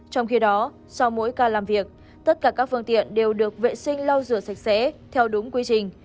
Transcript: trong khi đó sau mỗi ca làm việc tất cả các phương tiện đều được vệ sinh lau rửa sạch sẽ theo đúng quy trình